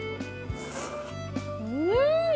うん！